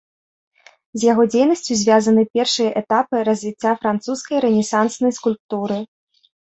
З яго дзейнасцю звязаны першыя этапы развіцця французскай рэнесанснай скульптуры.